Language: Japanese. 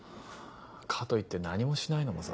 かといって何もしないのもさ。